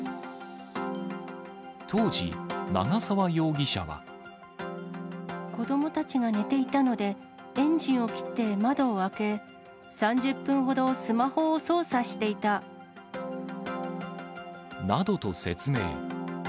当時、子どもたちが寝ていたので、エンジンを切って窓を開け、３０分ほど、などと説明。